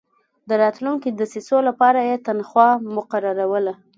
د راتلونکو دسیسو لپاره یې تنخوا مقرروله.